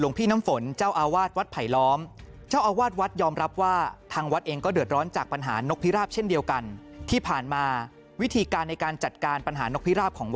พี่น้ำฝนเจ้าอาวาสวัดไผลล้อมเจ้าอาวาสวัดยอมรับว่าทางวัดเองก็เดือดร้อนจากปัญหานกพิราบเช่นเดียวกันที่ผ่านมาวิธีการในการจัดการปัญหานกพิราบของ